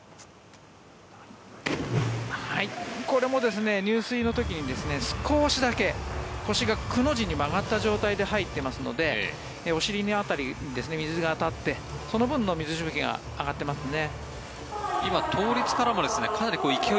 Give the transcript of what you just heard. これも入水の時に少しだけ腰が、くの字に曲がった状態で入ってますのでお尻辺りに水が当たってその分の水しぶきが当たってますね。